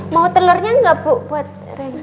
mau telurnya gak bu buat rini